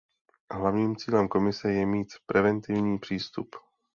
Hlavním cílem Komise je mít preventivní přístup.